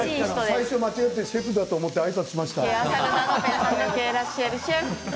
最初、間違えてシェフだと思ってあいさつをしました。